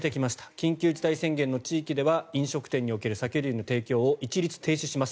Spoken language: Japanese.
緊急事態宣言の地域では飲食店における酒類の提供を一律停止します。